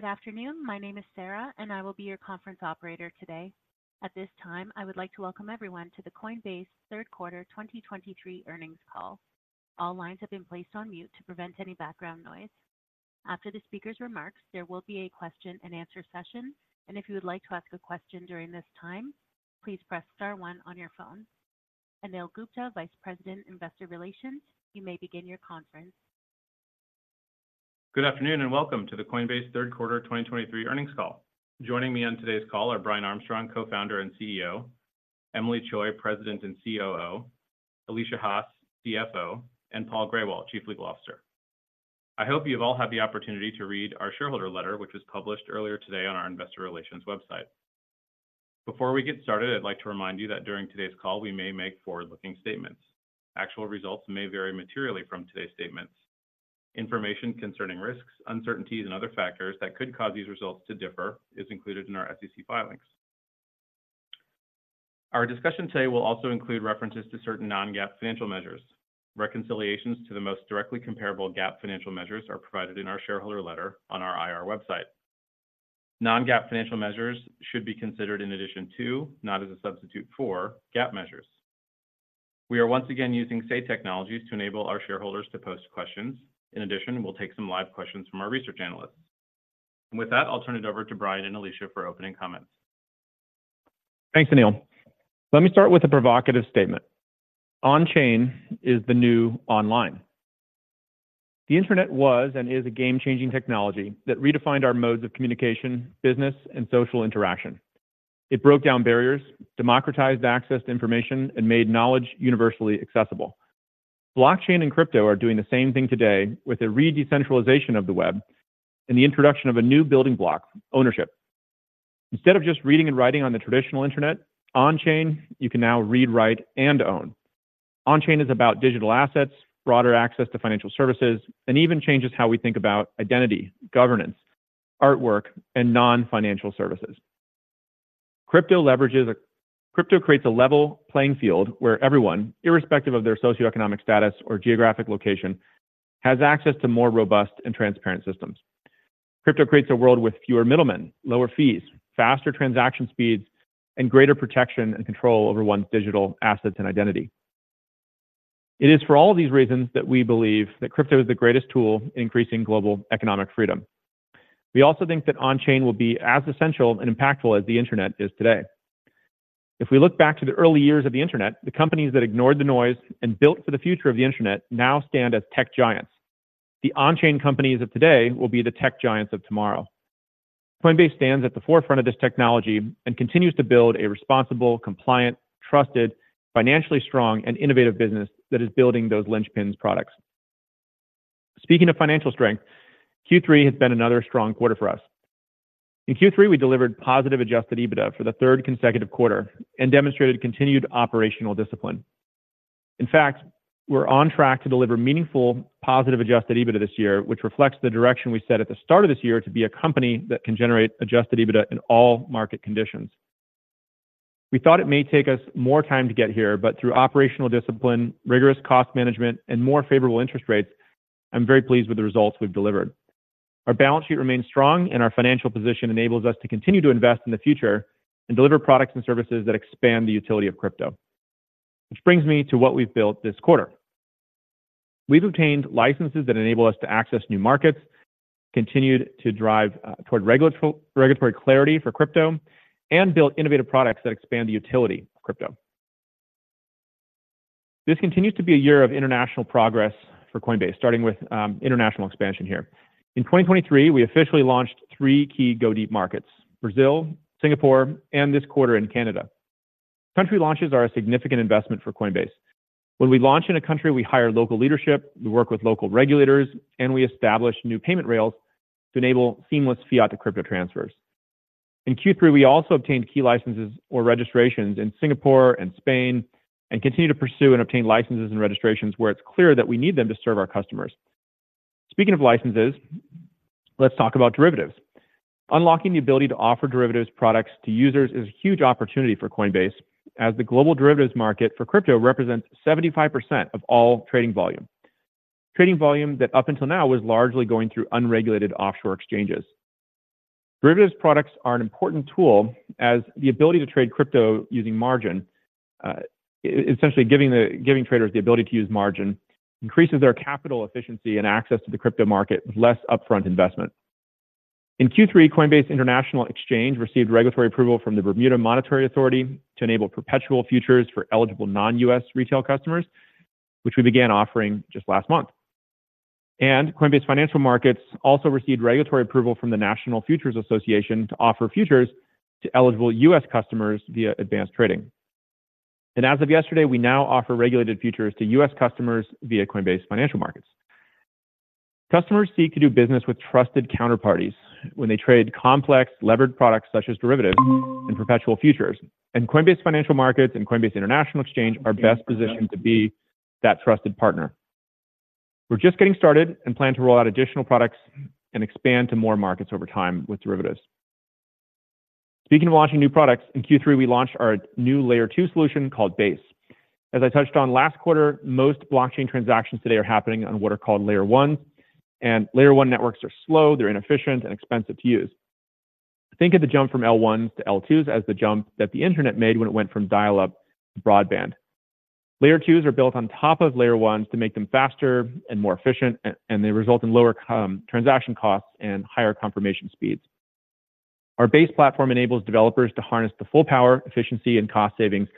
Good afternoon. My name is Sarah, and I will be your conference operator today. At this time, I would like to welcome everyone to the Coinbase Q3 2023 earnings call. All lines have been placed on mute to prevent any background noise. After the speaker's remarks, there will be a question and answer session, and if you would like to ask a question during this time, please press star one on your phone. Anil Gupta, Vice President, Investor Relations, you may begin your conference. Good afternoon, and welcome to the Coinbase Q3 2023 earnings call. Joining me on today's call are Brian Armstrong, Co-founder and CEO, Emilie Choi, President and COO, Alesia Haas, CFO, and Paul Grewal, Chief Legal Officer. I hope you've all had the opportunity to read our shareholder letter, which was published earlier today on our investor relations website. Before we get started, I'd like to remind you that during today's call, we may make forward-looking statements. Actual results may vary materially from today's statements. Information concerning risks, uncertainties, and other factors that could cause these results to differ is included in our SEC filings. Our discussion today will also include references to certain non-GAAP financial measures. Reconciliations to the most directly comparable GAAP financial measures are provided in our shareholder letter on our IR website. Non-GAAP financial measures should be considered in addition to, not as a substitute for, GAAP measures. We are once again using Say Technologies to enable our shareholders to post questions. In addition, we'll take some live questions from our research analysts. With that, I'll turn it over to Brian and Alesia for opening comments. Thanks, Anil. Let me start with a provocative statement. Onchain is the new online. The Internet was and is a game-changing technology that redefined our modes of communication, business, and social interaction. It broke down barriers, democratized access to information, and made knowledge universally accessible. Blockchain and crypto are doing the same thing today with a re-decentralization of the web and the introduction of a new building block, ownership. Instead of just reading and writing on the traditional Internet, on-chain, you can now read, write, and own. On-chain is about digital assets, broader access to financial services, and even changes how we think about identity, governance, artwork, and non-financial services. Crypto creates a level playing field where everyone, irrespective of their socioeconomic status or geographic location, has access to more robust and transparent systems. Crypto creates a world with fewer middlemen, lower fees, faster transaction speeds, and greater protection and control over one's digital assets and identity. It is for all these reasons that we believe that crypto is the greatest tool in increasing global economic freedom. We also think that on-chain will be as essential and impactful as the Internet is today. If we look back to the early years of the Internet, the companies that ignored the noise and built for the future of the Internet now stand as tech giants. The on-chain companies of today will be the tech giants of tomorrow. Coinbase stands at the forefront of this technology and continues to build a responsible, compliant, trusted, financially strong, and innovative business that is building those linchpins products. Speaking of financial strength, Q3 has been another strong quarter for us. In Q3, we delivered positive Adjusted EBITDA for the third consecutive quarter and demonstrated continued operational discipline. In fact, we're on track to deliver meaningful positive Adjusted EBITDA this year, which reflects the direction we set at the start of this year to be a company that can generate Adjusted EBITDA in all market conditions. We thought it may take us more time to get here, but through operational discipline, rigorous cost management, and more favorable interest rates, I'm very pleased with the results we've delivered. Our balance sheet remains strong, and our financial position enables us to continue to invest in the future and deliver products and services that expand the utility of crypto. Which brings me to what we've built this quarter. We've obtained licenses that enable us to access new markets, continued to drive toward regulatory clarity for crypto, and built innovative products that expand the utility of crypto. This continues to be a year of international progress for Coinbase, starting with international expansion here. In 2023, we officially launched three key Go Deep markets: Brazil, Singapore, and this quarter in Canada. Country launches are a significant investment for Coinbase. When we launch in a country, we hire local leadership, we work with local regulators, and we establish new payment rails to enable seamless fiat to crypto transfers. In Q3, we also obtained key licenses or registrations in Singapore and Spain, and continue to pursue and obtain licenses and registrations where it's clear that we need them to serve our customers. Speaking of licenses, let's talk about derivatives. Unlocking the ability to offer derivatives products to users is a huge opportunity for Coinbase, as the global derivatives market for crypto represents 75% of all trading volume. Trading volume that, up until now, was largely going through unregulated offshore exchanges. Derivatives products are an important tool, as the ability to trade crypto using margin, essentially giving traders the ability to use margin, increases their capital efficiency and access to the crypto market with less upfront investment. In Q3, Coinbase International Exchange received regulatory approval from the Bermuda Monetary Authority to enable perpetual futures for eligible non-U.S. retail customers, which we began offering just last month. Coinbase Financial Markets also received regulatory approval from the National Futures Association to offer futures to eligible U.S. customers via Advanced Trading. And as of yesterday, we now offer regulated futures to U.S. customers via Coinbase Financial Markets. Customers seek to do business with trusted counterparties when they trade complex levered products such as derivatives and perpetual futures, and Coinbase Financial Markets and Coinbase International Exchange are best positioned to be that trusted partner. We're just getting started and plan to roll out additional products and expand to more markets over time with derivatives. Speaking of launching new products, in Q3, we launched our new Layer 2 solution called Base. As I touched on last quarter, most blockchain transactions today are happening on what are called Layer 1, and Layer 1 networks are slow, they're inefficient, and expensive to use. Think of the jump from L1 to L2s as the jump that the internet made when it went from dial-up to broadband. Layer 2s are built on top of Layer 1 to make them faster and more efficient, and they result in lower transaction costs and higher confirmation speeds. Our Base platform enables developers to harness the full power, efficiency, and cost savings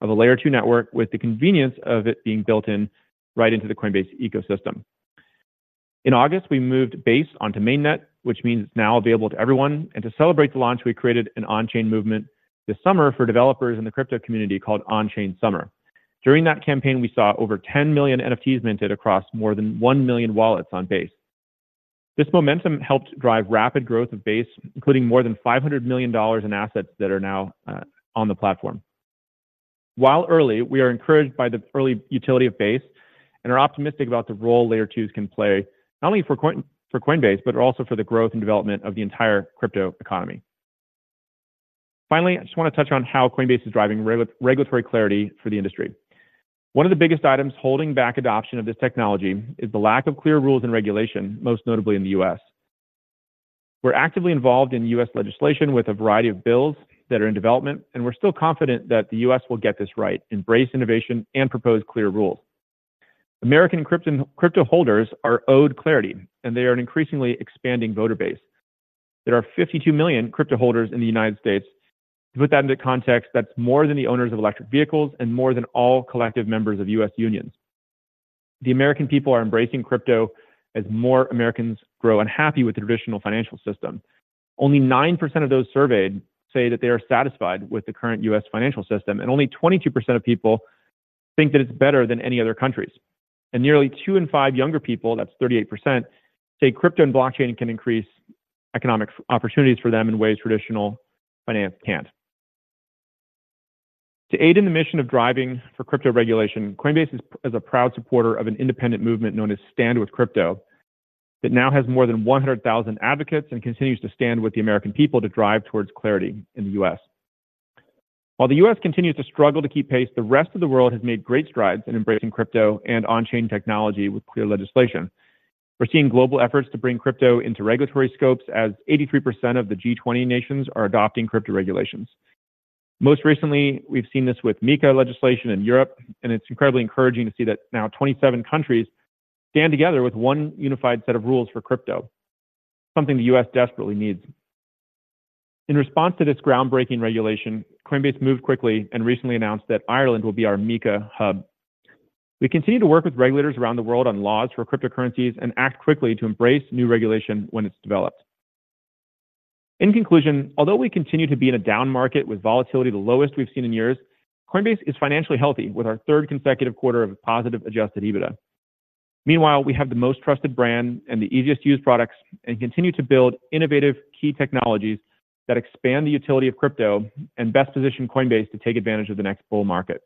of a Layer 2 network, with the convenience of it being built-in right into the Coinbase ecosystem. In August, we moved Base onto mainnet, which means it's now available to everyone, and to celebrate the launch, we created an on-chain movement this summer for developers in the crypto community called Onchain Summer. During that campaign, we saw over 10 million NFTs minted across more than 1 million wallets on Base. This momentum helped drive rapid growth of Base, including more than $500 million in assets that are now on the platform. While early, we are encouraged by the early utility of Base and are optimistic about the role Layer 2s can play, not only for Coinbase, but also for the growth and development of the entire crypto economy. Finally, I just want to touch on how Coinbase is driving regulatory clarity for the industry. One of the biggest items holding back adoption of this technology is the lack of clear rules and regulation, most notably in the U.S. We're actively involved in U.S. legislation with a variety of bills that are in development, and we're still confident that the U.S. will get this right, embrace innovation, and propose clear rules. American crypto holders are owed clarity, and they are an increasingly expanding voter base. There are 52 million crypto holders in the United States. To put that into context, that's more than the owners of electric vehicles and more than all collective members of U.S. unions. The American people are embracing crypto as more Americans grow unhappy with the traditional financial system. Only 9% of those surveyed say that they are satisfied with the current U.S. financial system, and only 22% of people think that it's better than any other countries. And nearly two in five younger people, that's 38%, say crypto and blockchain can increase economic opportunities for them in ways traditional finance can't. To aid in the mission of driving for crypto regulation, Coinbase is a proud supporter of an independent movement known as Stand With Crypto, that now has more than 100,000 advocates and continues to stand with the American people to drive towards clarity in the U.S. While the U.S. continues to struggle to keep pace, the rest of the world has made great strides in embracing crypto and on-chain technology with clear legislation. We're seeing global efforts to bring crypto into regulatory scopes, as 83% of the G20 nations are adopting crypto regulations. Most recently, we've seen this with MiCA legislation in Europe, and it's incredibly encouraging to see that now 27 countries stand together with one unified set of rules for crypto, something the U.S. desperately needs. In response to this groundbreaking regulation, Coinbase moved quickly and recently announced that Ireland will be our MiCA hub. We continue to work with regulators around the world on laws for cryptocurrencies and act quickly to embrace new regulation when it's developed. In conclusion, although we continue to be in a down market with volatility, the lowest we've seen in years, Coinbase is financially healthy, with our third consecutive quarter of positive adjusted EBITDA. Meanwhile, we have the most trusted brand and the easiest-to-use products and continue to build innovative key technologies that expand the utility of crypto and best position Coinbase to take advantage of the next bull market.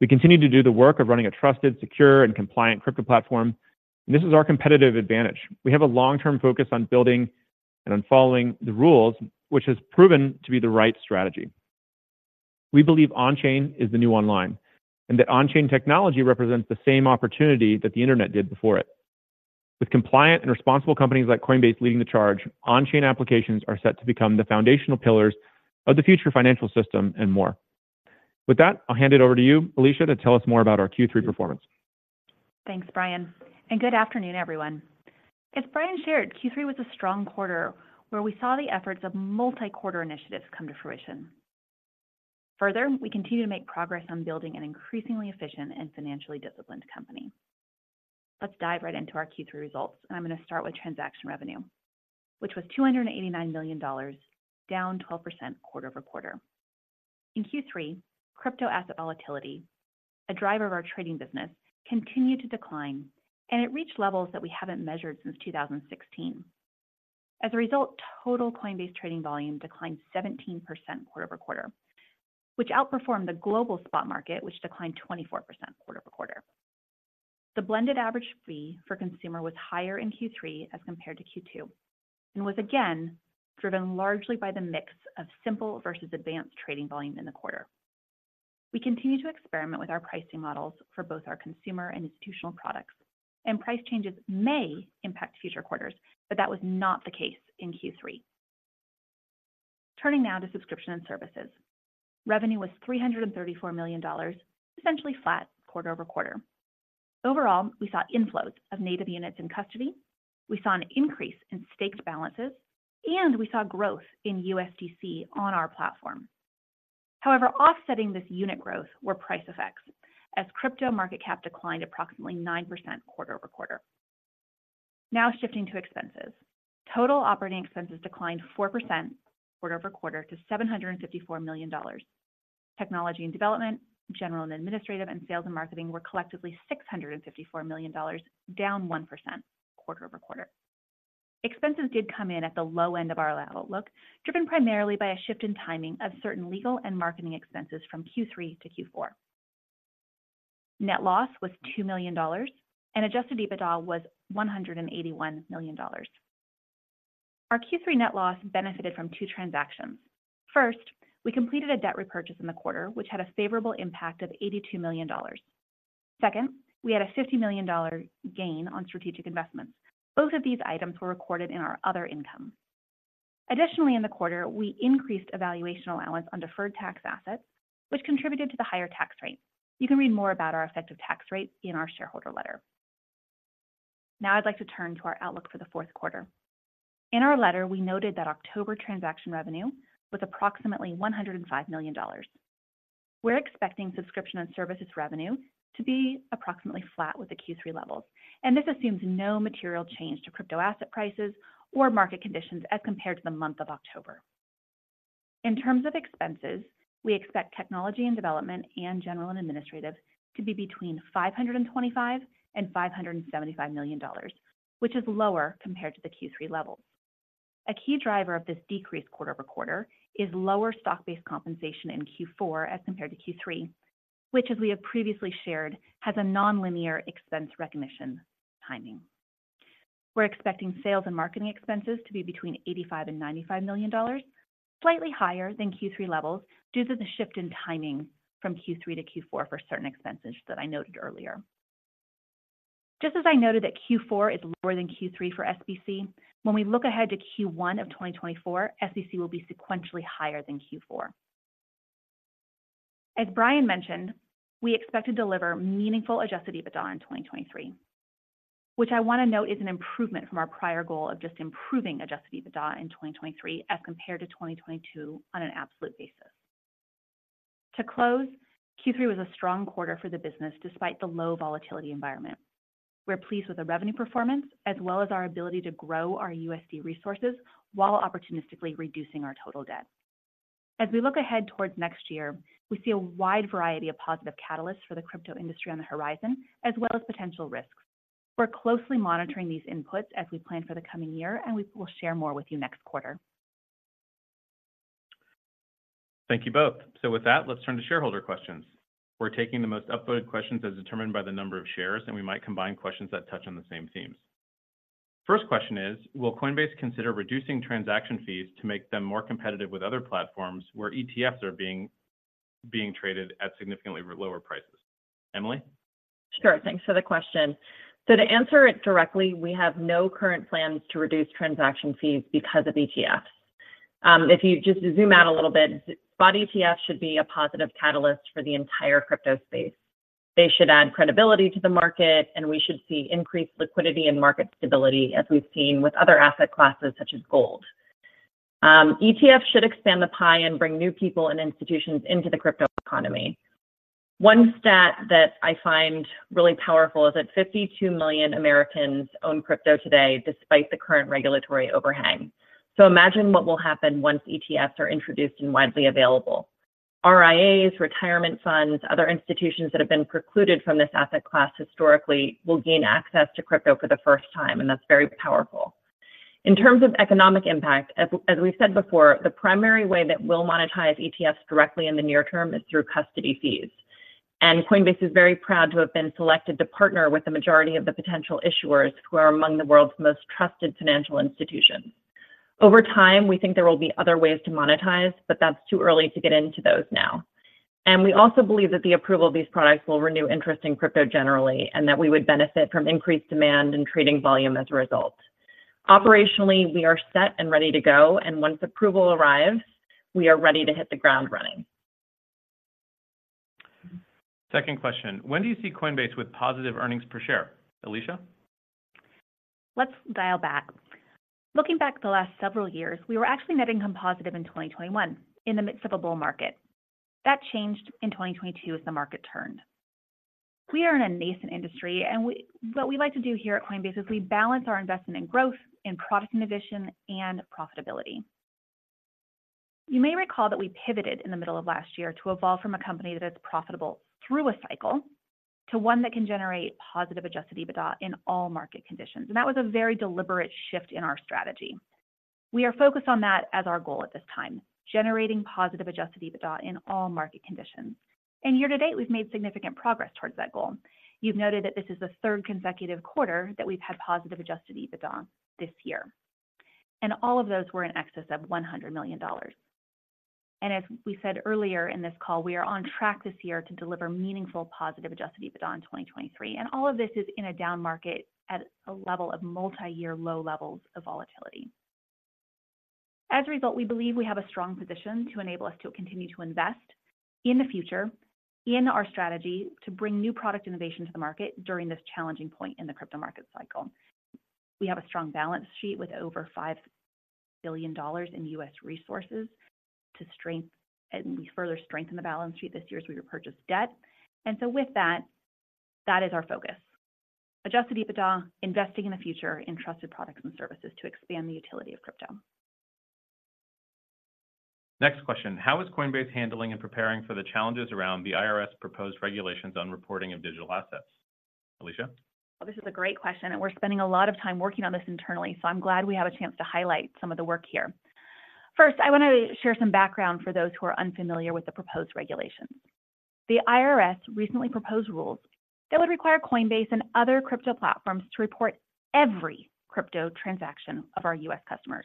We continue to do the work of running a trusted, secure, and compliant crypto platform, and this is our competitive advantage. We have a long-term focus on building and on following the rules, which has proven to be the right strategy. We believe on-chain is the new online, and that on-chain technology represents the same opportunity that the internet did before it. With compliant and responsible companies like Coinbase leading the charge, on-chain applications are set to become the foundational pillars of the future financial system and more. With that, I'll hand it over to you, Alesia, to tell us more about our Q3 performance. Thanks, Brian, and good afternoon, everyone. As Brian shared, Q3 was a strong quarter where we saw the efforts of multi-quarter initiatives come to fruition. Further, we continue to make progress on building an increasingly efficient and financially disciplined company. Let's dive right into our Q3 results. I'm going to start with transaction revenue, which was $289 million, down 12% quarter-over-quarter. In Q3, crypto asset volatility, a driver of our trading business, continued to decline, and it reached levels that we haven't measured since 2016. As a result, total Coinbase trading volume declined 17% quarter-over-quarter, which outperformed the global spot market, which declined 24% quarter-over-quarter. The blended average fee for consumer was higher in Q3 as compared to Q2, and was again driven largely by the mix of Simple versus Advanced trading volume in the quarter. We continue to experiment with our pricing models for both our consumer and institutional products, and price changes may impact future quarters, but that was not the case in Q3. Turning now to subscription and services. Revenue was $334 million, essentially flat quarter-over-quarter. Overall, we saw inflows of native units in custody, we saw an increase in staked balances, and we saw growth in USDC on our platform. However, offsetting this unit growth were price effects, as crypto market cap declined approximately 9% quarter-over-quarter. Now shifting to expenses. Total operating expenses declined 4% quarter-over-quarter to $754 million. Technology and development, general and administrative, and sales and marketing were collectively $654 million, down 1% quarter-over-quarter. Expenses did come in at the low end of our outlook, driven primarily by a shift in timing of certain legal and marketing expenses from Q3 to Q4. Net loss was $2 million, and adjusted EBITDA was $181 million. Our Q3 net loss benefited from two transactions. First, we completed a debt repurchase in the quarter, which had a favorable impact of $82 million. Second, we had a $50 million gain on strategic investments. Both of these items were recorded in our other income. Additionally, in the quarter, we increased a valuation allowance on deferred tax assets, which contributed to the higher tax rate. You can read more about our effective tax rate in our shareholder letter. Now I'd like to turn to our outlook for the Q4. In our letter, we noted that October transaction revenue was approximately $105 million. We're expecting subscription and services revenue to be approximately flat with the Q3 levels, and this assumes no material change to crypto asset prices or market conditions as compared to the month of October. In terms of expenses, we expect technology and development, and general and administrative to be between $525 million and $575 million, which is lower compared to the Q3 levels. A key driver of this decreased quarter-over-quarter is lower stock-based compensation in Q4 as compared to Q3, which, as we have previously shared, has a nonlinear expense recognition timing. We're expecting sales and marketing expenses to be between $85 million and $95 million, slightly higher than Q3 levels, due to the shift in timing from Q3 to Q4 for certain expenses that I noted earlier. Just as I noted that Q4 is lower than Q3 for SEC, when we look ahead to Q1 of 2024, SEC will be sequentially higher than Q4. As Brian mentioned, we expect to deliver meaningful Adjusted EBITDA in 2023, which I want to note is an improvement from our prior goal of just improving Adjusted EBITDA in 2023 as compared to 2022 on an absolute basis. To close, Q3 was a strong quarter for the business, despite the low volatility environment. We're pleased with the revenue performance, as well as our ability to grow our USDC resources while opportunistically reducing our total debt. As we look ahead toward next year, we see a wide variety of positive catalysts for the crypto industry on the horizon, as well as potential risks. We're closely monitoring these inputs as we plan for the coming year, and we will share more with you next quarter. Thank you both. So with that, let's turn to shareholder questions. We're taking the most upvoted questions as determined by the number of shares, and we might combine questions that touch on the same themes. First question is, will Coinbase consider reducing transaction fees to make them more competitive with other platforms, where ETFs are being traded at significantly lower prices? Emilie? Sure. Thanks for the question. To answer it directly, we have no current plans to reduce transaction fees because of ETFs. If you just zoom out a little bit, spot ETFs should be a positive catalyst for the entire crypto space. They should add credibility to the market, and we should see increased liquidity and market stability, as we've seen with other asset classes, such as gold. ETFs should expand the pie and bring new people and institutions into the crypto economy. One stat that I find really powerful is that 52 million Americans own crypto today, despite the current regulatory overhang. So imagine what will happen once ETFs are introduced and widely available. RIAs, retirement funds, other institutions that have been precluded from this asset class historically, will gain access to crypto for the first time, and that's very powerful. In terms of economic impact, as we've said before, the primary way that we'll monetize ETFs directly in the near term is through custody fees. Coinbase is very proud to have been selected to partner with the majority of the potential issuers, who are among the world's most trusted financial institutions. Over time, we think there will be other ways to monetize, but that's too early to get into those now. We also believe that the approval of these products will renew interest in crypto generally, and that we would benefit from increased demand and trading volume as a result. Operationally, we are set and ready to go, and once approval arrives, we are ready to hit the ground running. Second question, when do you see Coinbase with positive earnings per share? Alesia? Let's dial back. Looking back the last several years, we were actually net income positive in 2021, in the midst of a bull market. That changed in 2022 as the market turned. We are in a nascent industry, and what we like to do here at Coinbase is we balance our investment in growth, in product innovation, and profitability. You may recall that we pivoted in the middle of last year to evolve from a company that is profitable through a cycle, to one that can generate positive Adjusted EBITDA in all market conditions, and that was a very deliberate shift in our strategy. We are focused on that as our goal at this time, generating positive Adjusted EBITDA in all market conditions. And year to date, we've made significant progress towards that goal. You've noted that this is the third consecutive quarter that we've had positive Adjusted EBITDA this year, and all of those were in excess of $100 million. As we said earlier in this call, we are on track this year to deliver meaningful positive Adjusted EBITDA in 2023, and all of this is in a down market at a level of multi-year low levels of volatility. As a result, we believe we have a strong position to enable us to continue to invest in the future, in our strategy, to bring new product innovation to the market during this challenging point in the crypto market cycle. We have a strong balance sheet with over $5 billion in U.S. resources to strengthen and we further strengthen the balance sheet this year as we repurchase debt. So with that, that is our focus. Adjusted EBITDA, investing in the future in trusted products and services to expand the utility of crypto. Next question: How is Coinbase handling and preparing for the challenges around the IRS proposed regulations on reporting of digital assets? Alesia? Well, this is a great question, and we're spending a lot of time working on this internally, so I'm glad we have a chance to highlight some of the work here. First, I wanna share some background for those who are unfamiliar with the proposed regulations. The IRS recently proposed rules that would require Coinbase and other crypto platforms to report every crypto transaction of our U.S. customers.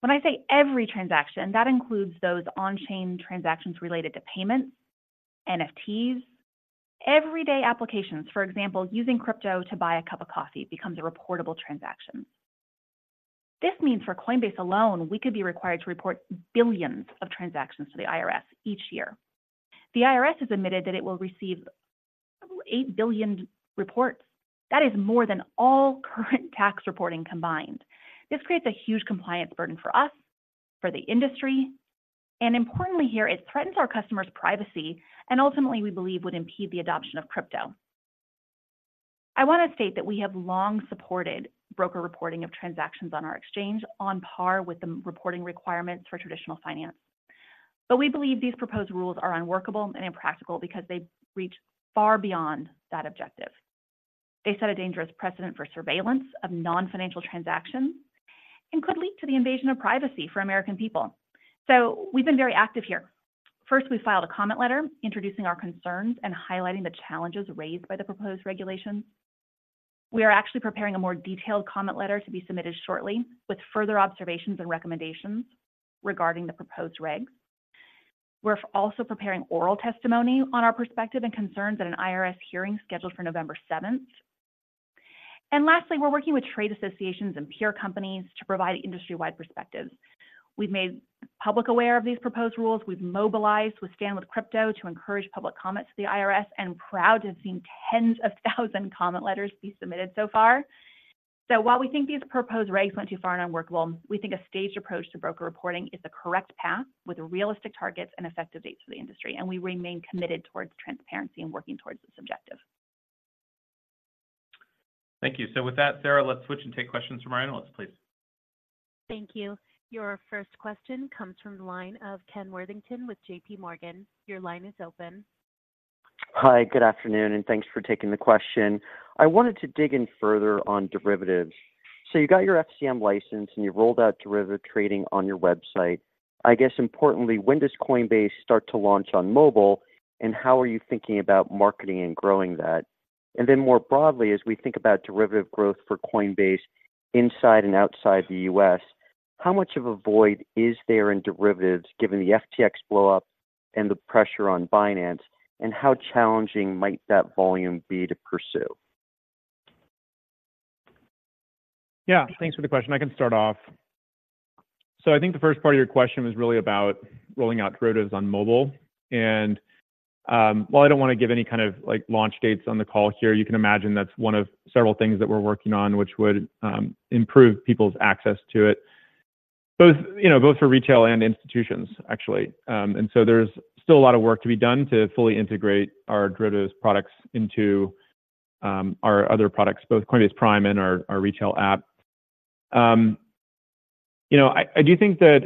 When I say every transaction, that includes those on-chain transactions related to payments, NFTs, everyday applications. For example, using crypto to buy a cup of coffee becomes a reportable transaction. This means for Coinbase alone, we could be required to report billions of transactions to the IRS each year. The IRS has admitted that it will receive 8 billion reports. That is more than all current tax reporting combined. This creates a huge compliance burden for us, for the industry, and importantly, here, it threatens our customers' privacy and ultimately, we believe, would impede the adoption of crypto. I wanna state that we have long supported broker reporting of transactions on our exchange, on par with the reporting requirements for traditional finance. But we believe these proposed rules are unworkable and impractical because they reach far beyond that objective. They set a dangerous precedent for surveillance of non-financial transactions and could lead to the invasion of privacy for American people. So we've been very active here. First, we filed a comment letter introducing our concerns and highlighting the challenges raised by the proposed regulations. We are actually preparing a more detailed comment letter to be submitted shortly, with further observations and recommendations regarding the proposed regs. We're also preparing oral testimony on our perspective and concerns at an IRS hearing scheduled for November 7th. Lastly, we're working with trade associations and peer companies to provide industry-wide perspectives. We've made the public aware of these proposed rules. We've mobilized with Stand with Crypto to encourage public comment to the IRS, and we're proud to have seen tens of thousands comment letters be submitted so far. So while we think these proposed regs went too far and are unworkable, we think a staged approach to broker reporting is the correct path, with realistic targets and effective dates for the industry, and we remain committed towards transparency and working towards this objective. Thank you. So with that, Sarah, let's switch and take questions from our analysts, please. Thank you. Your first question comes from the line of Ken Worthington with JP Morgan. Your line is open. Hi, good afternoon, and thanks for taking the question. I wanted to dig in further on derivatives. So you got your FCM license, and you rolled out derivative trading on your website. I guess, importantly, when does Coinbase start to launch on mobile, and how are you thinking about marketing and growing that? And then more broadly, as we think about derivative growth for Coinbase inside and outside the U.S., how much of a void is there in derivatives, given the FTX blowup and the pressure on Binance, and how challenging might that volume be to pursue? Yeah, thanks for the question. I can start off. So I think the first part of your question was really about rolling out derivatives on mobile, and, while I don't want to give any kind of, like, launch dates on the call here, you can imagine that's one of several things that we're working on which would, improve people's access to it, both, you know, both for retail and institutions, actually. And so there's still a lot of work to be done to fully integrate our derivatives products into, our other products, both Coinbase Prime and our, our retail app. You know, I, I do think that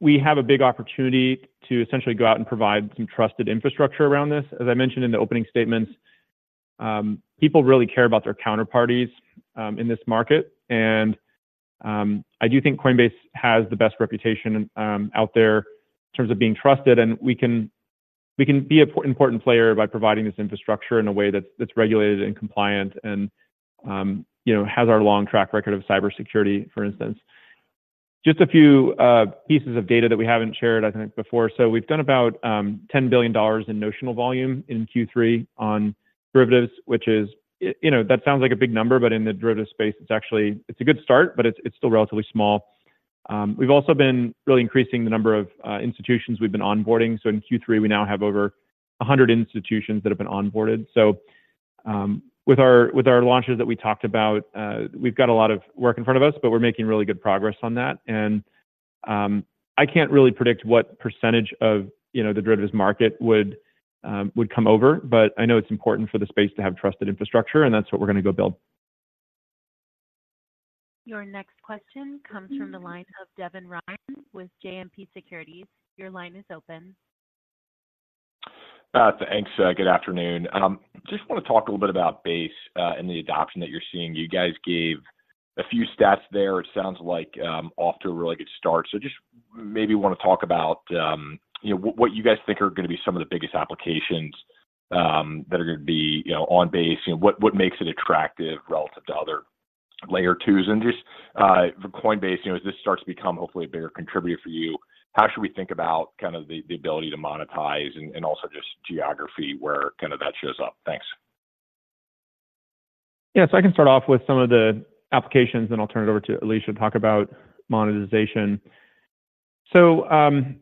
we have a big opportunity to essentially go out and provide some trusted infrastructure around this. As I mentioned in the opening statements, people really care about their counterparties, in this market. And I do think Coinbase has the best reputation out there in terms of being trusted, and we can be an important player by providing this infrastructure in a way that's regulated and compliant and, you know, has our long track record of cybersecurity, for instance. Just a few pieces of data that we haven't shared, I think, before. So we've done about $10 billion in notional volume in Q3 on derivatives, which is... You know, that sounds like a big number, but in the derivative space, it's actually a good start, but it's still relatively small. We've also been really increasing the number of institutions we've been onboarding. So in Q3, we now have over 100 institutions that have been onboarded. So, with our launches that we talked about, we've got a lot of work in front of us, but we're making really good progress on that. And, I can't really predict what percentage of, you know, the derivatives market would come over, but I know it's important for the space to have trusted infrastructure, and that's what we're gonna go build. Your next question comes from the line of Devin Ryan with JMP Securities. Your line is open. Thanks, good afternoon. Just wanna talk a little bit about Base, and the adoption that you're seeing. You guys gave a few stats there. It sounds like off to a really good start. So just maybe want to talk about, you know, what, what you guys think are gonna be some of the biggest applications, that are gonna be, you know, on Base. You know, what, what makes it attractive relative to other Layer 2s? And just for Coinbase, you know, as this starts to become hopefully a bigger contributor for you, how should we think about kind of the, the ability to monetize and, and also just geography, where kind of that shows up? Thanks. Yeah, so I can start off with some of the applications, then I'll turn it over to Alesia to talk about monetization. So, you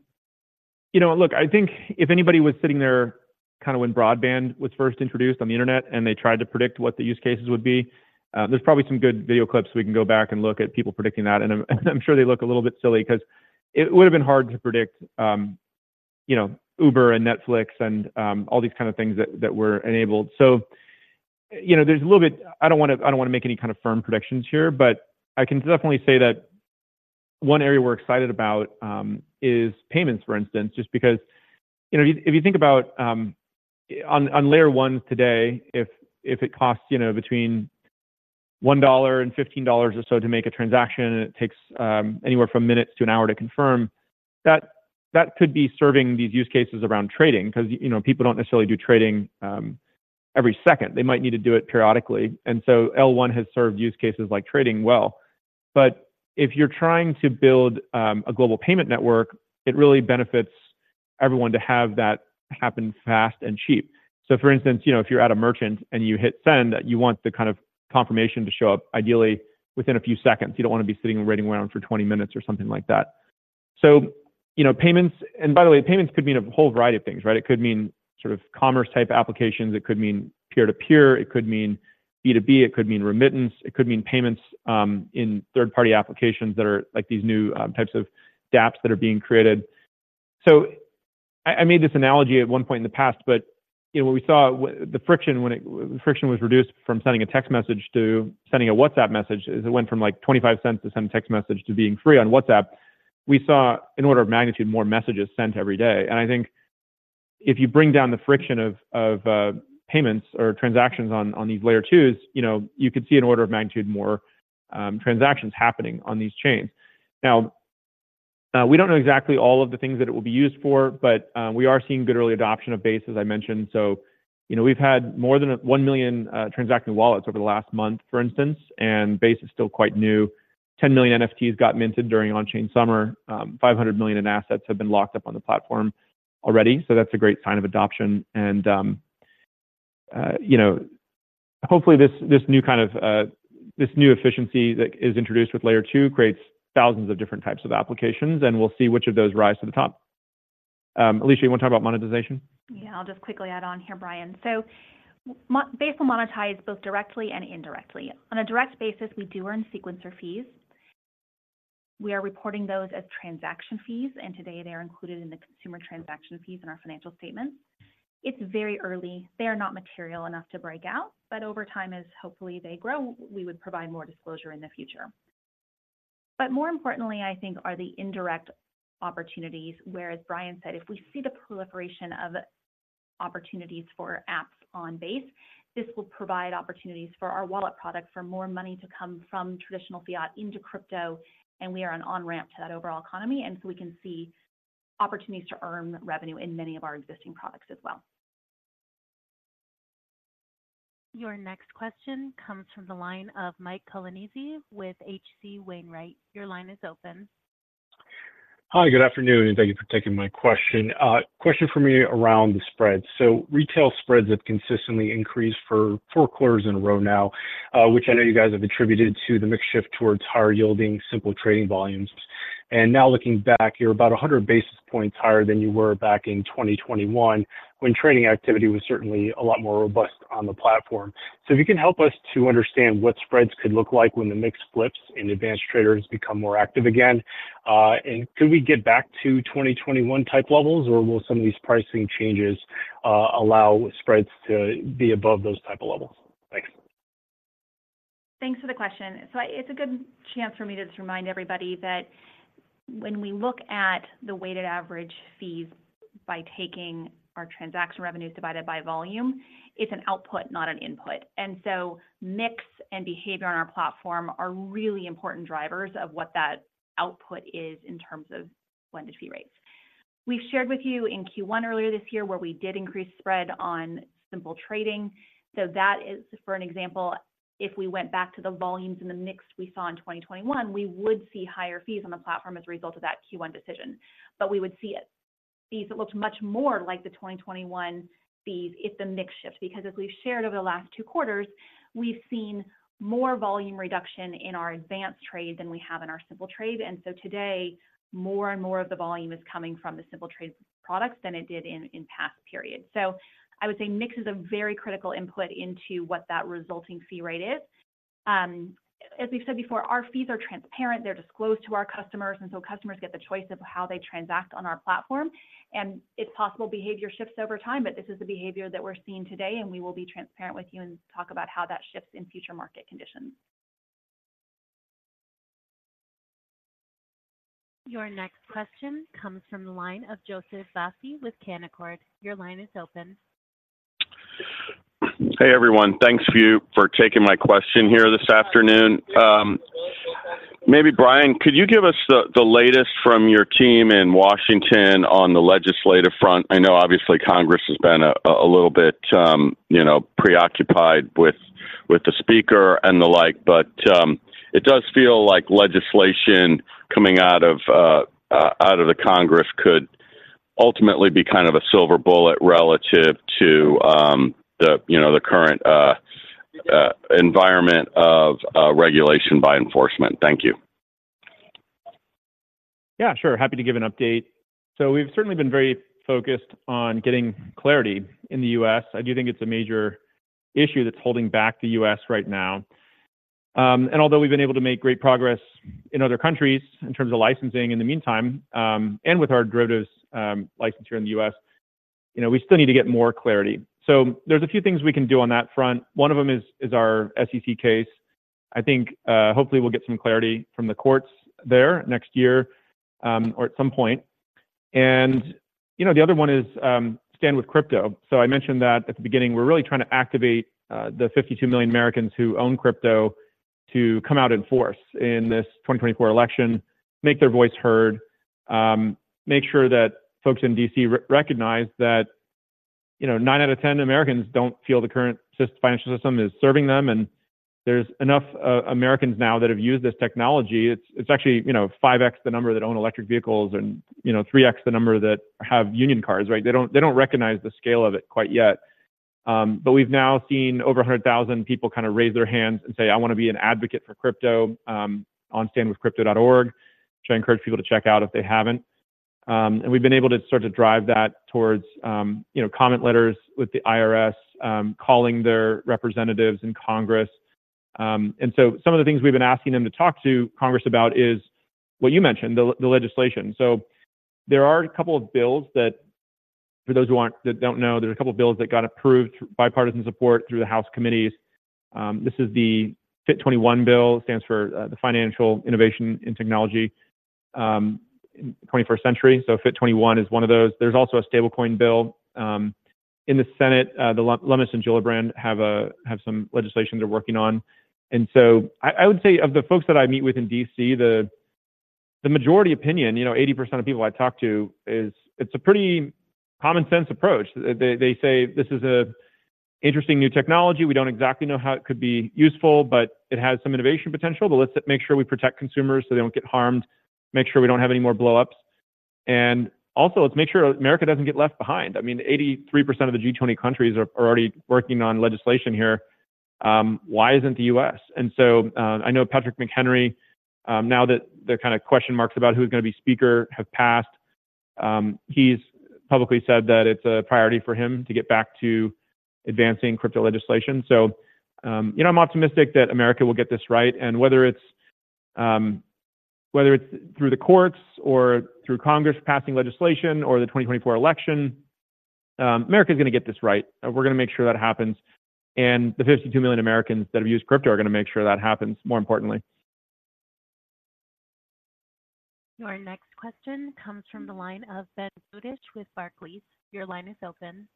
know, look, I think if anybody was sitting there, kind of when broadband was first introduced on the Internet, and they tried to predict what the use cases would be, there's probably some good video clips we can go back and look at people predicting that. And I'm sure they look a little bit silly because it would have been hard to predict, you know, Uber and Netflix and all these kind of things that, that were enabled. So, you know, there's a little bit, I don't wanna, I don't wanna make any kind of firm predictions here, but I can definitely say that. One area we're excited about is payments, for instance, just because, you know, if you think about on Layer 1 today, if it costs, you know, between $1 and $15 or so to make a transaction, and it takes anywhere from minutes to an hour to confirm, that could be serving these use cases around trading. Because, you know, people don't necessarily do trading every second. They might need to do it periodically. And so L1 has served use cases like trading well. But if you're trying to build a global payment network, it really benefits everyone to have that happen fast and cheap. So for instance, you know, if you're at a merchant and you hit send, you want the kind of confirmation to show up, ideally within a few seconds. You don't wanna be sitting and waiting around for 20 minutes or something like that. So, you know, payments, and by the way, payments could mean a whole variety of things, right? It could mean sort of commerce-type applications, it could mean peer-to-peer, it could mean B2B, it could mean remittance, it could mean payments in third-party applications that are like these new types of dapps that are being created. So I made this analogy at one point in the past, but, you know, when we saw the friction, when friction was reduced from sending a text message to sending a WhatsApp message, it went from, like, $0.25 to send a text message to being free on WhatsApp. We saw an order of magnitude more messages sent every day. And I think if you bring down the friction of payments or transactions on these Layer 2s, you know, you could see an order of magnitude more transactions happening on these chains. Now, we don't know exactly all of the things that it will be used for, but we are seeing good early adoption of Base, as I mentioned. So, you know, we've had more than 1 million transacting wallets over the last month, for instance, and Base is still quite new. 10 million NFTs got minted during on-chain summer. $500 million in assets have been locked up on the platform already, so that's a great sign of adoption. You know, hopefully this new kind of efficiency that is introduced with Layer 2 creates thousands of different types of applications, and we'll see which of those rise to the top. Alesia, you want to talk about monetization? Yeah, I'll just quickly add on here, Brian. So Base will monetize both directly and indirectly. On a direct basis, we do earn sequencer fees. We are reporting those as transaction fees, and today they are included in the consumer transaction fees in our financial statements. It's very early. They are not material enough to break out, but over time, as hopefully they grow, we would provide more disclosure in the future. But more importantly, I think, are the indirect opportunities where, as Brian said, if we see the proliferation of opportunities for apps on Base, this will provide opportunities for our wallet product for more money to come from traditional fiat into crypto, and we are an on-ramp to that overall economy. And so we can see opportunities to earn revenue in many of our existing products as well. Your next question comes from the line of Mike Colonnese with H.C. Wainwright. Your line is open. Hi, good afternoon, and thank you for taking my question. Question for me around the spread. So retail spreads have consistently increased for four quarters in a row now, which I know you guys have attributed to the mix shift towards higher yielding, Simple trading volumes. And now looking back, you're about 100 basis points higher than you were back in 2021, when trading activity was certainly a lot more robust on the platform. So if you can help us to understand what spreads could look like when the mix flips and advanced traders become more active again, and could we get back to 2021-type levels, or will some of these pricing changes allow spreads to be above those type of levels? Thanks. Thanks for the question. So it's a good chance for me to just remind everybody that when we look at the weighted average fees by taking our transaction revenues divided by volume, it's an output, not an input. And so mix and behavior on our platform are really important drivers of what that output is in terms of blended fee rates. We've shared with you in Q1 earlier this year, where we did increase spread on Simple trading. So that is, for example, if we went back to the volumes and the mix we saw in 2021, we would see higher fees on the platform as a result of that Q1 decision. But we would see fees that looked much more like the 2021 fees if the mix shifts, because as we've shared over the last two quarters, we've seen more volume reduction in our Advanced Trade than we have in our Simple trade. And so today, more and more of the volume is coming from the Simple trade products than it did in past periods. So I would say mix is a very critical input into what that resulting fee rate is. As we've said before, our fees are transparent, they're disclosed to our customers, and so customers get the choice of how they transact on our platform. And it's possible behavior shifts over time, but this is the behavior that we're seeing today, and we will be transparent with you and talk about how that shifts in future market conditions. Your next question comes from the line of Joseph Vafi with Canaccord. Your line is open. Hey, everyone. Thanks for taking my question here this afternoon. Maybe, Brian, could you give us the latest from your team in Washington on the legislative front? I know obviously, Congress has been a little bit, you know, preoccupied with the Speaker and the like, but it does feel like legislation coming out of the Congress could ultimately be kind of a silver bullet relative to the, you know, the current environment of regulation by enforcement. Thank you. Yeah, sure. Happy to give an update. So we've certainly been very focused on getting clarity in the U.S. I do think it's a major issue that's holding back the U.S. right now. And although we've been able to make great progress in other countries in terms of licensing in the meantime, and with our derivatives license here in the U.S.... You know, we still need to get more clarity. So there's a few things we can do on that front. One of them is our SEC case. I think, hopefully we'll get some clarity from the courts there next year, or at some point. And, you know, the other one is Stand with Crypto. So I mentioned that at the beginning. We're really trying to activate the 52 million Americans who own crypto to come out in force in this 2024 election, make their voice heard, make sure that folks in D.C. re-recognize that, you know, nine out of 10 Americans don't feel the current financial system is serving them, and there's enough Americans now that have used this technology. It's actually, you know, 5x the number that own electric vehicles and, you know, 3x the number that have union cars, right? They don't, they don't recognize the scale of it quite yet. But we've now seen over 100,000 people kind of raise their hands and say, "I want to be an advocate for crypto," on StandWithCrypto.org, which I encourage people to check out if they haven't. And we've been able to sort of drive that towards, you know, comment letters with the IRS, calling their representatives in Congress. And so some of the things we've been asking them to talk to Congress about is what you mentioned, the legislation. So there are a couple of bills that, for those who don't know, there's a couple of bills that got approved, bipartisan support through the House committees. This is the FIT21 Bill, stands for the Financial Innovation in Technology 21st Century. So FIT21 is one of those. There's also a stablecoin bill in the Senate. The Lummis & Gillibrand have some legislation they're working on. And so I would say of the folks that I meet with in D.C., the majority opinion, you know, 80% of people I talk to, is it's a pretty common sense approach. They say, "This is a interesting new technology. We don't exactly know how it could be useful, but it has some innovation potential. But let's make sure we protect consumers so they don't get harmed, make sure we don't have any more blow-ups. And also, let's make sure America doesn't get left behind." I mean, 83% of the G20 countries are already working on legislation here. Why isn't the U.S.? And so I know Patrick McHenry, now that the kind of question marks about who's going to be speaker have passed, he's publicly said that it's a priority for him to get back to advancing crypto legislation. So, you know, I'm optimistic that America will get this right, and whether it's through the courts or through Congress passing legislation or the 2024 election, America is going to get this right. We're going to make sure that happens, and the 52 million Americans that have used crypto are going to make sure that happens, more importantly. Your next question comes from the line of Ben Budish with Barclays. Your line is open.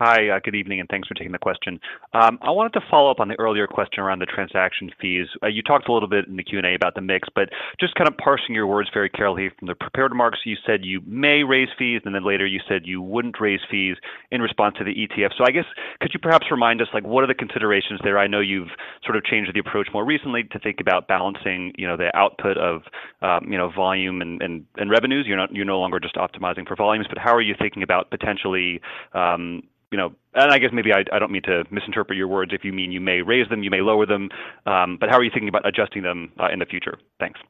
Hi, good evening, and thanks for taking the question. I wanted to follow up on the earlier question around the transaction fees. You talked a little bit in the Q&A about the mix, but just kind of parsing your words very carefully from the prepared remarks. You said you may raise fees, and then later you said you wouldn't raise fees in response to the ETF. So I guess, could you perhaps remind us, like, what are the considerations there? I know you've sort of changed the approach more recently to think about balancing, you know, the output of, you know, volume and, and, and revenues. You're not-- you're no longer just optimizing for volumes, but how are you thinking about potentially, you know... And I guess maybe I don't mean to misinterpret your words. If you mean you may raise them, you may lower them, but how are you thinking about adjusting them in the future? Thanks.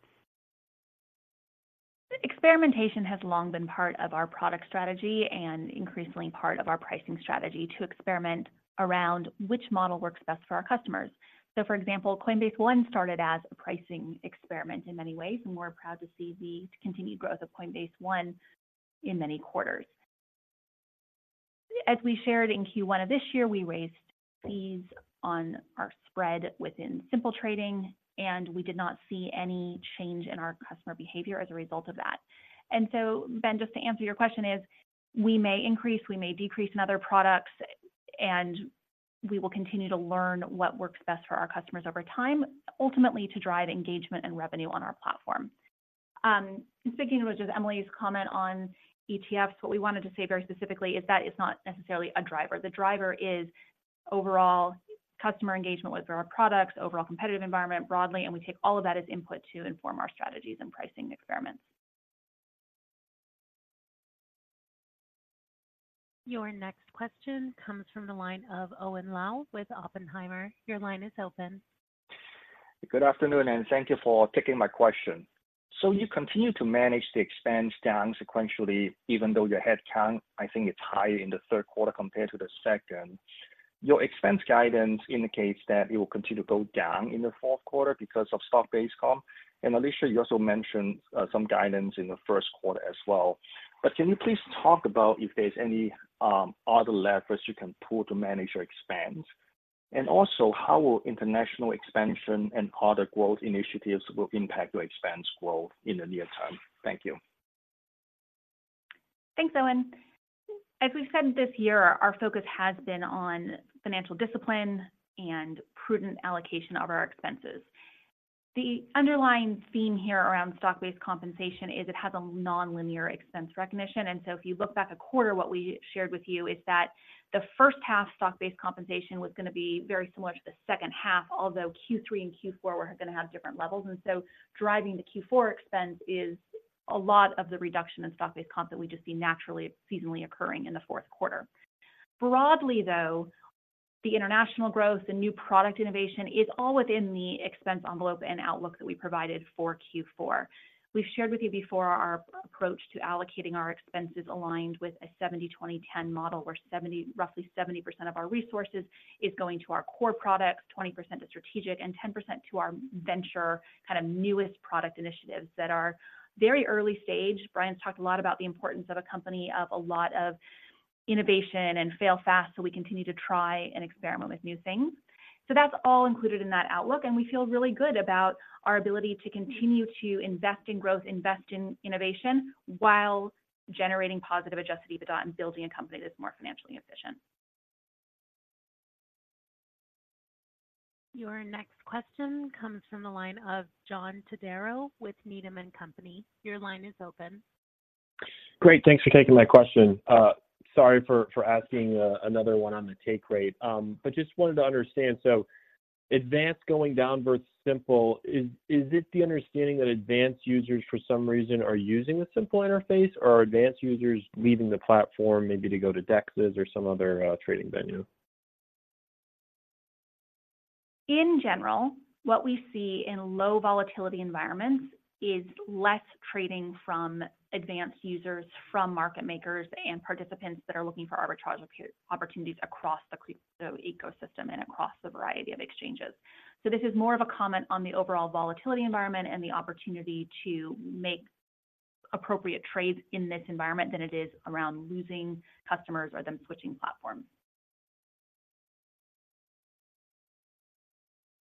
Experimentation has long been part of our product strategy and increasingly part of our pricing strategy to experiment around which model works best for our customers. So, for example, Coinbase One started as a pricing experiment in many ways, and we're proud to see the continued growth of Coinbase One in many quarters. As we shared in Q1 of this year, we raised fees on our spread within Simple trading, and we did not see any change in our customer behavior as a result of that. And so, Ben, just to answer your question, is we may increase, we may decrease in other products, and we will continue to learn what works best for our customers over time, ultimately to drive engagement and revenue on our platform. Speaking of which, as Emilie's comment on ETFs, what we wanted to say very specifically is that it's not necessarily a driver. The driver is overall customer engagement with our products, overall competitive environment broadly, and we take all of that as input to inform our strategies and pricing experiments. Your next question comes from the line of Owen Lau with Oppenheimer. Your line is open. Good afternoon, and thank you for taking my question. So you continue to manage the expense down sequentially, even though your head count, I think, it's higher in the Q3 compared to the second. Your expense guidance indicates that it will continue to go down in the Q4 because of stock-based comp. And, Alesia, you also mentioned some guidance in the Q1 as well. But can you please talk about if there's any other levers you can pull to manage your expense? And also, how will international expansion and other growth initiatives will impact your expense growth in the near term? Thank you. Thanks, Owen. As we've said this year, our focus has been on financial discipline and prudent allocation of our expenses. The underlying theme here around stock-based compensation is it has a nonlinear expense recognition. And so if you look back a quarter, what we shared with you is that the first half stock-based compensation was gonna be very similar to the second half, although Q3 and Q4 were gonna have different levels. And so driving the Q4 expense is a lot of the reduction in stock-based comp that we just see naturally seasonally occurring in the Q4. Broadly, though, the international growth and new product innovation is all within the expense envelope and outlook that we provided for Q4. We've shared with you before our approach to allocating our expenses aligned with a 70/20/10 model, where 70%—roughly 70% of our resources is going to our core products, 20% to strategic, and 10% to our venture, kind of, newest product initiatives that are very early stage. Brian's talked a lot about the importance of a company of a lot of innovation and fail fast, so we continue to try and experiment with new things. So that's all included in that outlook, and we feel really good about our ability to continue to invest in growth, invest in innovation, while generating positive adjusted EBITDA and building a company that's more financially efficient. Your next question comes from the line of John Todaro with Needham & Company. Your line is open. Great, thanks for taking my question. Sorry for asking another one on the take rate. But just wanted to understand, so Advanced going down versus Simple, is it the understanding that Advanced users, for some reason, are using the Simple interface, or are Advanced users leaving the platform maybe to go to DEXs or some other trading venue? In general, what we see in low volatility environments is less trading from Advanced users, from market makers, and participants that are looking for arbitrage opportunities across the crypto ecosystem and across a variety of exchanges. So this is more of a comment on the overall volatility environment and the opportunity to make appropriate trades in this environment than it is around losing customers or them switching platforms.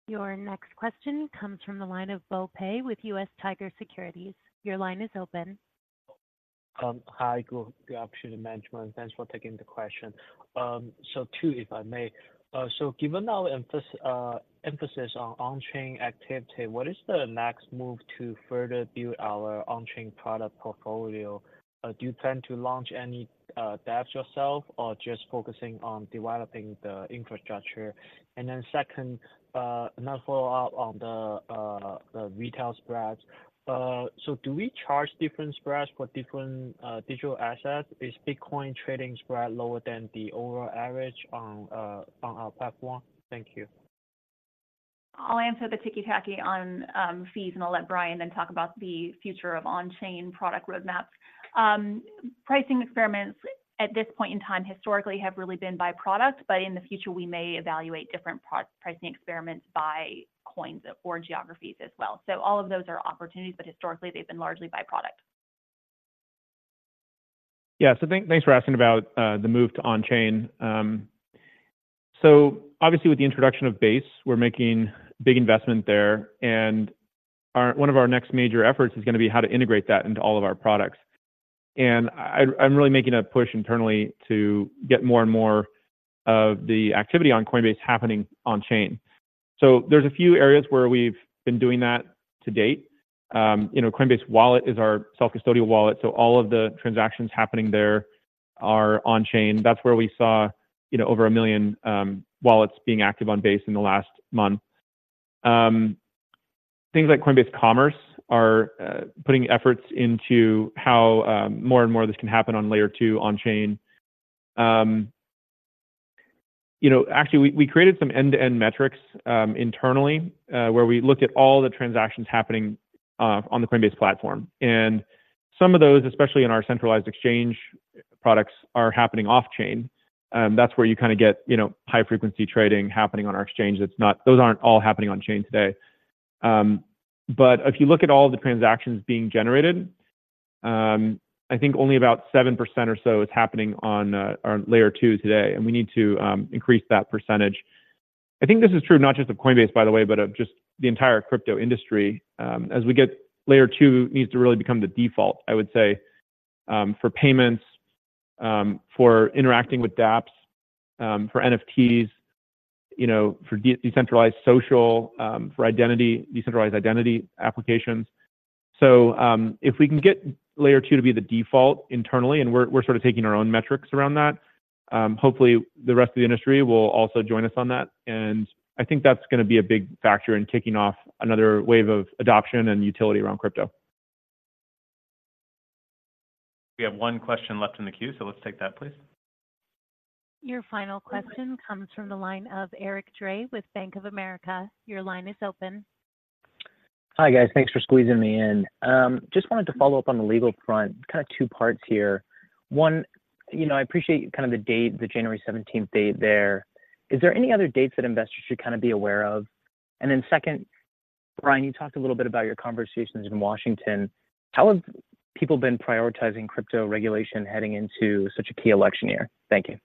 Your next question comes from the line of Bo Pei with US Tiger Securities. Your line is open. Hi, good afternoon, management. Thanks for taking the question. So two, if I may. So given our emphasis on on-chain activity, what is the next move to further build our on-chain product portfolio? Do you plan to launch any DEX yourself or just focusing on developing the infrastructure? And then second, another follow-up on the retail spreads. So do we charge different spreads for different digital assets? Is Bitcoin trading spread lower than the overall average on our platform? Thank you. I'll answer the ticky tacky on fees, and I'll let Brian then talk about the future of on-chain product roadmaps. Pricing experiments at this point in time, historically, have really been by product, but in the future, we may evaluate different pricing experiments by coins or geographies as well. So all of those are opportunities, but historically, they've been largely by product. Yeah. So thanks for asking about the move to onchain. So obviously, with the introduction of Base, we're making big investment there, and one of our next major efforts is gonna be how to integrate that into all of our products. And I'm really making a push internally to get more and more of the activity on Coinbase happening on chain. So there's a few areas where we've been doing that to date. You know, Coinbase Wallet is our self-custodial wallet, so all of the transactions happening there are on chain. That's where we saw, you know, over 1 million wallets being active on Base in the last month. Things like Coinbase Commerce are putting efforts into how more and more of this can happen on Layer 2, onchain. You know, actually, we created some end-to-end metrics, internally, where we look at all the transactions happening on the Coinbase platform. And some of those, especially in our centralized exchange products, are happening offchain. And that's where you kinda get, you know, high-frequency trading happening on our exchange. That's not—those aren't all happening on-chain today. But if you look at all the transactions being generated, I think only about 7% or so is happening on our Layer 2 today, and we need to increase that percentage. I think this is true not just of Coinbase, by the way, but of just the entire crypto industry. As we get Layer 2 needs to really become the default, I would say, for payments, for interacting with dapps, for NFTs, you know, for decentralized social, for identity, decentralized identity applications. So, if we can get Layer 2 to be the default internally, and we're sort of taking our own metrics around that, hopefully, the rest of the industry will also join us on that. And I think that's gonna be a big factor in kicking off another wave of adoption and utility around crypto. We have one question left in the queue, so let's take that, please. Your final question comes from the line of Eric Dray with Bank of America. Your line is open. Hi, guys. Thanks for squeezing me in. Just wanted to follow up on the legal front. Kinda two parts here. One, you know, I appreciate kind of the date, the January 17th date there. Is there any other dates that investors should kinda be aware of? And then second, Brian, you talked a little bit about your conversations in Washington. How have people been prioritizing crypto regulation heading into such a key election year? Thank you.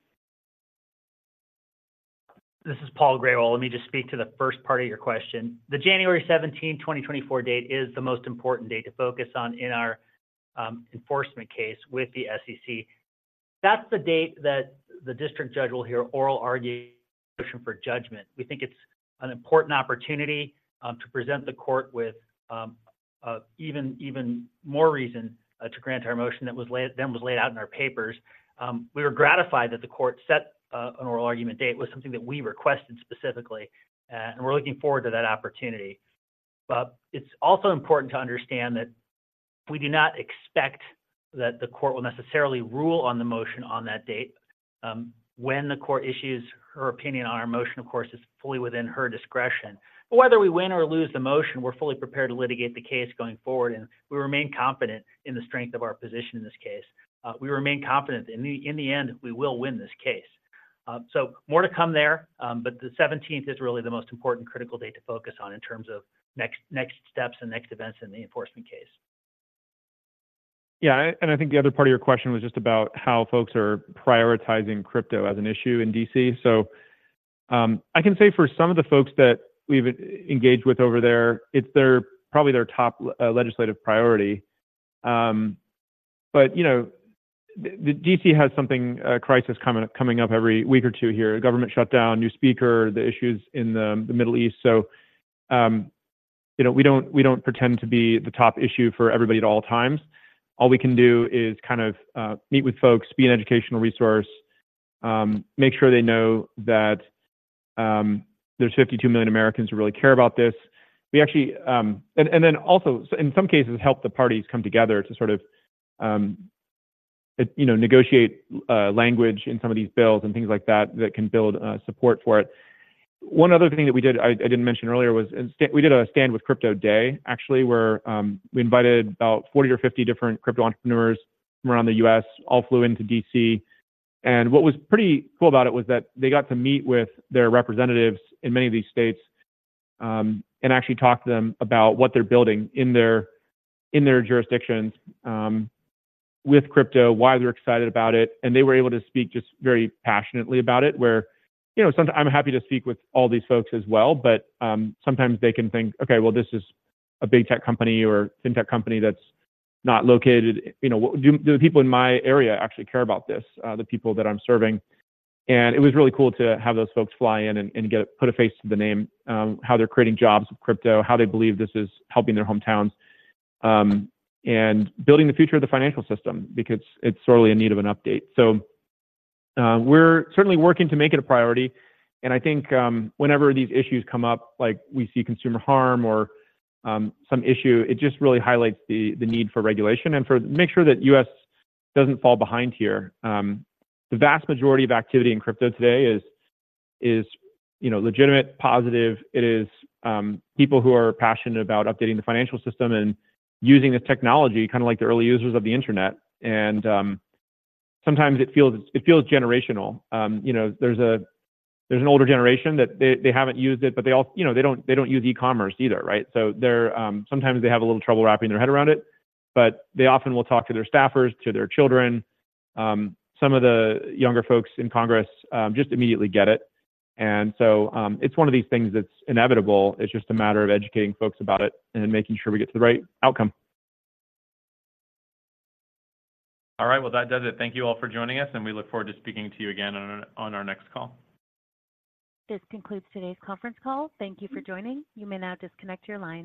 This is Paul Grewal. Let me just speak to the first part of your question. The January 17, 2024 date is the most important date to focus on in our enforcement case with the SEC. That's the date that the district judge will hear oral argument for judgment. We think it's an important opportunity to present the court with even more reason to grant our motion that was laid than was laid out in our papers. We were gratified that the court set an oral argument date. It was something that we requested specifically, and we're looking forward to that opportunity. But it's also important to understand that we do not expect that the court will necessarily rule on the motion on that date. When the court issues her opinion on our motion, of course, it's fully within her discretion. But whether we win or lose the motion, we're fully prepared to litigate the case going forward, and we remain confident in the strength of our position in this case. We remain confident that in the, in the end, we will win this case. So more to come there, but the 17th is really the most important critical date to focus on in terms of next, next steps and next events in the enforcement case. Yeah, and I think the other part of your question was just about how folks are prioritizing crypto as an issue in D.C. So, I can say for some of the folks that we've engaged with over there, it's their, probably their top legislative priority. But, you know, D.C. has something, a crisis coming up every week or two here. A government shutdown, new speaker, the issues in the Middle East. So, you know, we don't, we don't pretend to be the top issue for everybody at all times. All we can do is kind of meet with folks, be an educational resource, make sure they know that, there's 52 million Americans who really care about this. We actually, and then also, in some cases, help the parties come together to sort of, you know, negotiate language in some of these bills and things like that, that can build support for it. One other thing that we did, I didn't mention earlier, was we did a Stand With Crypto Day, actually, where we invited about 40 or 50 different crypto entrepreneurs from around the U.S., all flew into D.C. And what was pretty cool about it was that they got to meet with their representatives in many of these states, and actually talk to them about what they're building in their jurisdictions, with crypto, why they're excited about it. They were able to speak just very passionately about it, where, you know, sometimes I'm happy to speak with all these folks as well, but sometimes they can think, "Okay, well, this is a Big Tech company or FinTech company that's not located... You know, do the people in my area actually care about this, the people that I'm serving?" And it was really cool to have those folks fly in and put a face to the name, how they're creating jobs with crypto, how they believe this is helping their hometowns, and building the future of the financial system because it's sorely in need of an update. So, we're certainly working to make it a priority, and I think, whenever these issues come up, like we see consumer harm or, some issue, it just really highlights the need for regulation and for make sure that U.S. doesn't fall behind here. The vast majority of activity in crypto today is, you know, legitimate, positive. It is, people who are passionate about updating the financial system and using the technology, kind of like the early users of the internet. And, sometimes it feels generational. You know, there's an older generation that they haven't used it, but they all, you know, they don't use e-commerce either, right? So they're, sometimes they have a little trouble wrapping their head around it, but they often will talk to their staffers, to their children. Some of the younger folks in Congress just immediately get it. And so, it's one of these things that's inevitable. It's just a matter of educating folks about it and making sure we get to the right outcome. All right. Well, that does it. Thank you all for joining us, and we look forward to speaking to you again on our next call. This concludes today's conference call. Thank you for joining. You may now disconnect your lines.